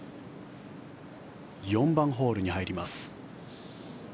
４番ホールに入ります。